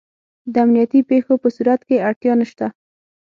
د امنیتي پېښو په صورت کې اړتیا نشته.